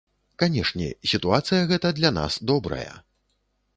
Канешне, сітуацыя гэта для нас добрая.